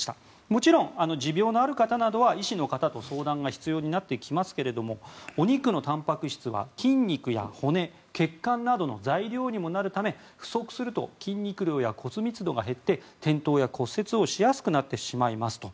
もちろん、持病のある方などは医師との相談が必要になりますがお肉のたんぱく質は筋肉や骨血管などの材料にもなるため不足すると筋肉量や骨密度が減って転倒や骨折をしやすくなってしまうと。